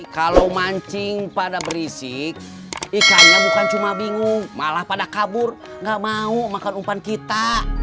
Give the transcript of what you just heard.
kalau mancing pada berisik ikannya bukan cuma bingung malah pada kabur nggak mau makan umpan kita